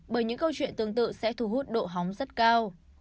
bởi những câu chuyện tương tự sẽ thu hút độ hóng rất cao